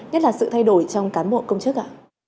nhất là sự thay đổi trong cán bộ công chức ạ